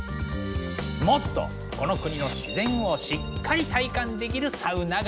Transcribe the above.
もっとこの国の自然をしっかり体感できるサウナがあるんだ。